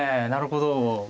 なるほど。